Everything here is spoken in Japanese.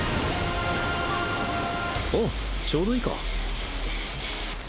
あっちょうどいいか。